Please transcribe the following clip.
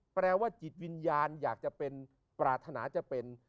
แปลว่าจิตวิญญาณอยากจะเป็นปรารถนาจะเป็น